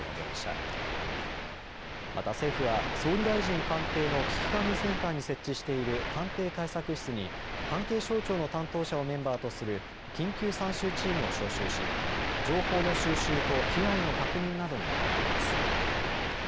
また政府は総理大臣官邸の危機管理センターに設置している官邸対策室に関係省庁の担当者をメンバーとする緊急参集チームを招集し、情報の収集と被害の確認などにあたっています。